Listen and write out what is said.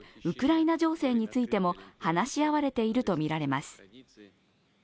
ウクライナ情勢についても話し合われているとみられています。